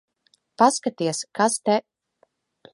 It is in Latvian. Paskaties, kas te...